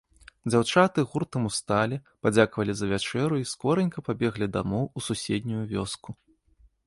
Дзяўчаты гуртам усталі, падзякавалі за вячэру і скоранька пабеглі дамоў у суседнюю вёску.